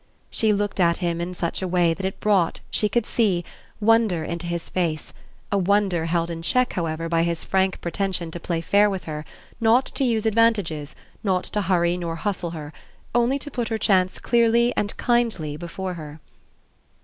She looked at him in such a way that it brought, she could see, wonder into his face, a wonder held in check, however, by his frank pretension to play fair with her, not to use advantages, not to hurry nor hustle her only to put her chance clearly and kindly before her.